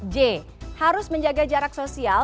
j harus menjaga jarak sosial